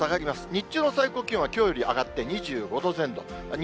日中の最高気温は、きょうより上がって２５度前後。